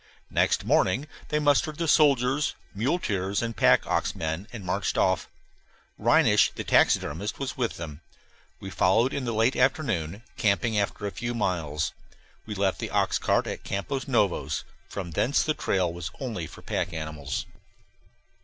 Next morning they mustered their soldiers, muleteers, and pack ox men and marched off. Reinisch the taxidermist was with them. We followed in the late afternoon, camping after a few miles. We left the oxcart at Campos Novos; from thence on the trail was only for pack animals.